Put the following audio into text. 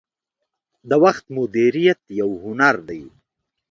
• د وخت مدیریت یو هنر دی.